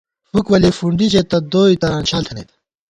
فُکہ ولیَئی فُنڈی ژېتہ ، دوئےتران شال تھنَئیت